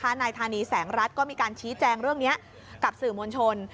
นายธานีแสงรัฐก็มีการชี้แจงเรื่องนี้กับสื่อมวลชน